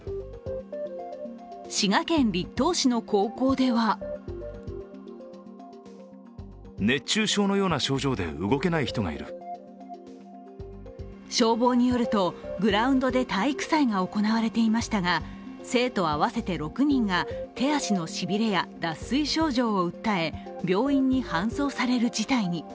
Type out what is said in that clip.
滋賀県栗東市の高校では消防によると、グラウンドで体育祭が行われていましたが生徒合わせて６人が手足のしびれや脱水症状を訴え、病院に搬送される事態に。